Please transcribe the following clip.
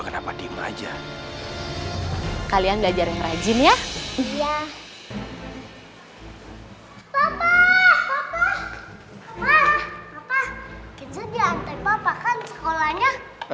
kenco diantar papa kan sekolahnya